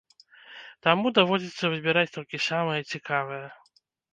Таму даводзіцца выбіраць толькі самае цікавае.